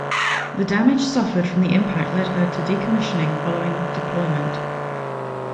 The damage suffered from the impact led to her decommissioning following the deployment.